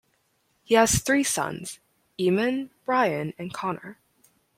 He has three sons, Eamon, Brian and Conor.